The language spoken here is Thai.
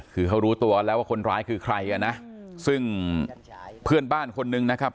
คือเขารู้ตัวแล้วว่าคนร้ายคือใครอ่ะนะซึ่งเพื่อนบ้านคนนึงนะครับ